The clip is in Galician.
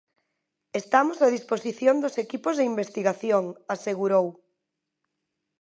"Estamos a disposición dos equipos de investigación", asegurou.